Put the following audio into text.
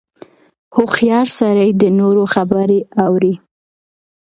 • هوښیار سړی د نورو خبرې اوري.